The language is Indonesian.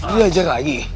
dia ajar lagi